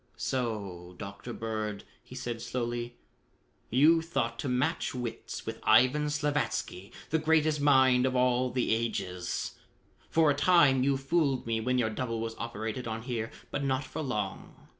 "So, Dr. Bird," he said slowly, "you thought to match wits with Ivan Slavatsky, the greatest mind of all the ages. For a time you fooled me when your double was operated on here, but not for long.